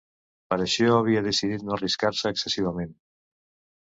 Per això havia decidit no arriscar-se excessivament...